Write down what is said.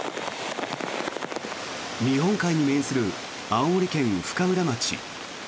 日本海に面する青森県深浦町。